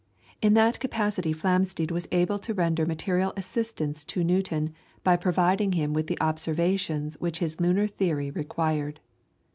In that capacity Flamsteed was able to render material assistance to Newton by providing him with the observations which his lunar theory required.